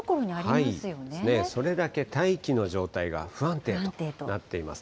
それだけ大気の状態が不安定となっています。